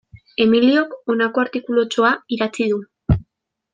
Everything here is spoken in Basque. Emiliok honako artikulutxoa idatzi du.